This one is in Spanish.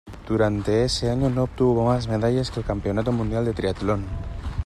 Durante ese año, no obtuvo más medallas en el Campeonato Mundial de Triatlón.